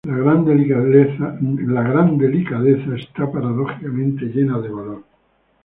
La gran delicadeza es paradójicamente llena de valor".